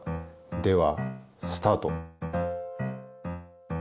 ではスタート。